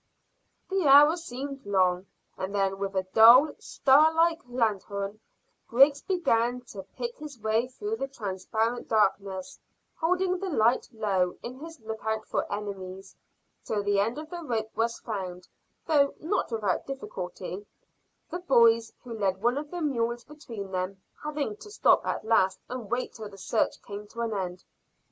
The hour seemed long, and then with a dull star like lanthorn Griggs began to pick his way through the transparent darkness, holding the light low in his lookout for enemies, till the end of the rope was found, though not without difficulty, the boys, who led one of the mules between them, having to stop at last and wait till the search came to an end.